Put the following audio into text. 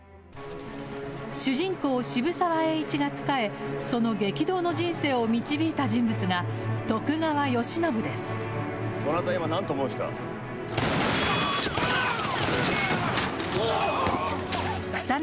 主人公、渋沢栄一が仕え、その激動の人生を導いた人物が、そなた、今、殿！